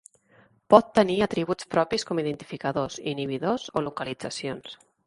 Pot tenir atributs propis com identificadors, inhibidors o localitzacions.